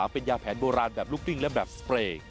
เป็นยาแผนโบราณแบบลูกดิ้งและแบบสเปรย์